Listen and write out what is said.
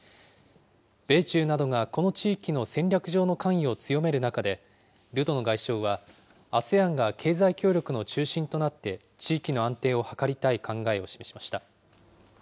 米中などがこの地域の戦略上の関与を強める中で、ルトノ外相は、ＡＳＥＡＮが経済協力の中心となって、地域の安定を図りたい考えを示しました。